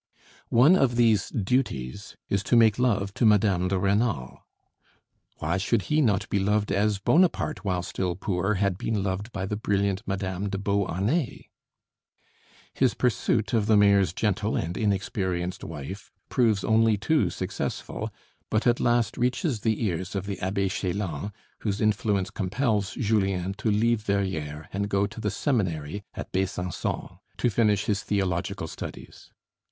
One of these duties is to make love to Mme. de Rênal: "Why should he not be loved as Bonaparte, while still poor, had been loved by the brilliant Mme. de Beauharnais?" His pursuit of the Mayor's gentle and inexperienced wife proves only too successful, but at last reaches the ears of the Abbé Chélan, whose influence compels Julien to leave Verrières and go to the Seminary at Besançon, to finish his theological studies.